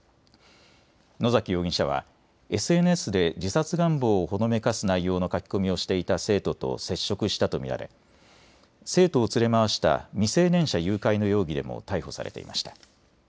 野崎容疑者はＳＮＳで自殺願望をほのめかす内容の書き込みをしていた生徒と接触したと見られ生徒を連れ回した未成年者誘拐の容疑でも逮捕されていました。